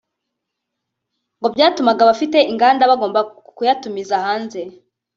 ngo byatumaga abafite inganda bagomba kuyatumiza hanze